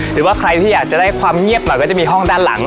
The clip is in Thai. หรือว่าใครที่อยากจะได้ความเงียบหน่อยก็จะมีห้องด้านหลัง